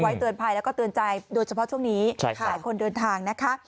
เตือนภัยแล้วก็เตือนใจโดยเฉพาะช่วงนี้หลายคนเดินทางนะคะ